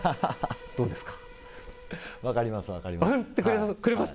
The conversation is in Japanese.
どうですか？